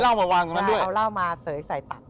เอาเวลามาเสรยใส่ตัก